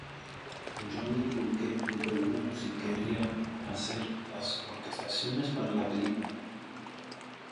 Johnny Burke le pregunto si quería hacer las orquestaciones para la película.